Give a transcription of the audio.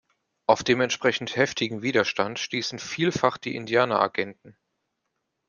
Auf dementsprechend heftigen Widerstand stießen vielfach die Indianeragenten.